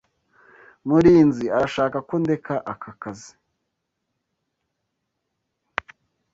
Murinzi arashaka ko ndeka aka kazi.